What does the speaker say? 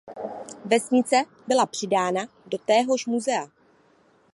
Vesnice byla přidána do téhož muzea.